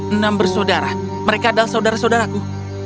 enam bersaudara mereka adalah saudara saudaraku